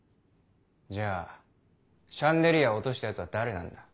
じゃあシャンデリアを落としたヤツは誰なんだ？